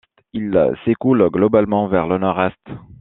Il s'écoule globalement vers le nord-est.